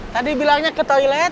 tadi bilangnya ke toilet